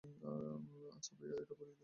আচ্ছা, ভায়া, এটা পরিয়ে দেখো।